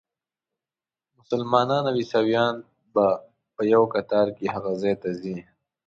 مسلمانان او عیسویان په یوه کتار کې هغه ځای ته ځي.